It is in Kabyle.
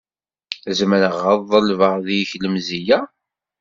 Zemreɣ ad ḍelbeɣ deg-k lemzeyya?